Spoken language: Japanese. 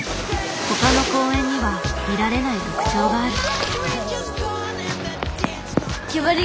他の公園には見られない特徴がある。